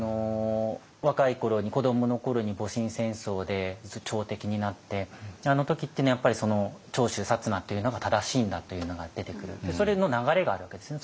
若い頃に子どもの頃に戊辰戦争で朝敵になってあの時っていうのはやっぱり長州薩摩っていうのが正しいんだというのが出てくるそれの流れがあるわけですよね。